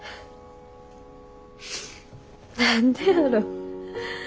何でやろ。